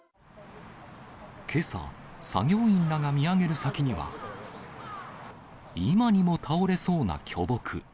けさ、作業員らが見上げる先には、今にも倒れそうな巨木。